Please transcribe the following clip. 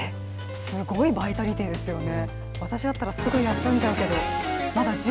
すごいバイタリティーですよね。